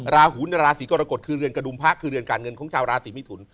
หุนราศีกรกฎคือเรือนกระดุมพระคือเรือนการเงินของชาวราศีมิถุน